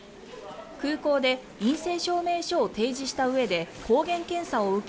空港で陰性証明書を提示したうえで抗原検査を受け